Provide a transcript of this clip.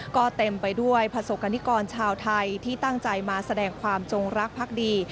ก็เต็มไปด้วยประสบกรณิกรชาวไทยที่ตั้งใจมาแสดงความจงรักพักดี